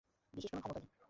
বিশেষ কোনো ক্ষমতা তো নেই।